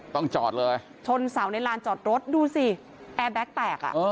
ต้องจอดเลยชนเสาในลานจอดรถดูสิแอร์แบ็คแตกอ่ะ